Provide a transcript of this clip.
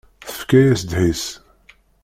Tefka-yas ddḥis.